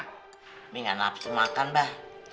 umi gak nafsu makan bah